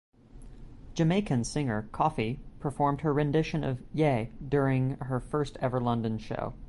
Jamaican singer Koffee performed her rendition of "Ye" during her first ever London show.